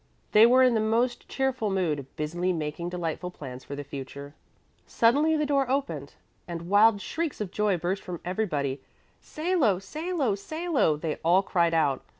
They were in the most cheerful mood, busily making delightful plans for the future. Suddenly the door opened, and wild shrieks of joy burst from everybody. "Salo, Salo, Salo!" they all cried out.